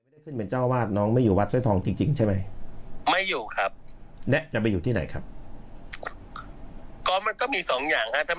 อยู่เป็นภาคก็อยู่เป็นคาราวาสฮะพระอาจารย์